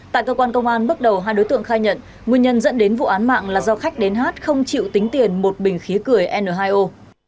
tại cơ quan công an bước đầu hai đối tượng khai nhận nguyên nhân dẫn đến vụ án mạng là do khách đến hát không chịu tính tiền một bình khí cười n hai o